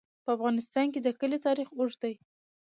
په افغانستان کې د کلي تاریخ اوږد دی.